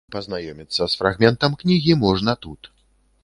Пазнаёміцца з фрагментам кнігі можна тут.